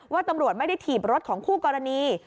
ตำรวจไม่ได้ถีบรถของคู่กรณี